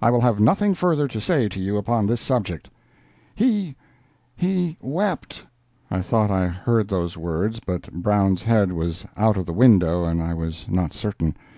I will have nothing further to say to you upon this subject." "He—he wept." I thought I heard those words, but Brown's head was out of the window, and I was not certain.